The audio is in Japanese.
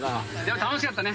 楽しかったね。